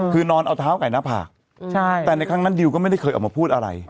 คือนอนเอาเท้าไก่หน้าผากแต่ในครั้งนั้นดิวก็ไม่ได้เคยออกมาพูดอะไร